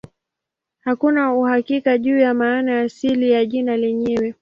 Hakuna uhakika juu ya maana ya asili ya jina lenyewe.